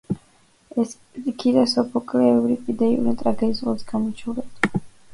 ესქილე, სოფოკლე, ევრიპიდე იყვნენ ტრაგედიის ყველაზე გამორჩეული ავტორები.